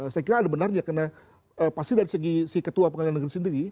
saya kira ada benarnya karena pasti dari segi si ketua pengadilan negeri sendiri